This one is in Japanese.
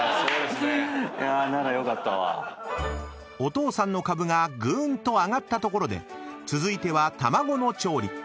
［お父さんの株がぐーんと上がったところで続いては卵の調理］